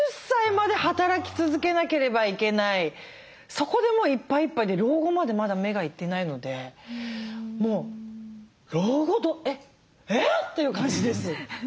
そこでもういっぱいいっぱいで老後までまだ目がいってないのでもう老後えっ！ていう感じです。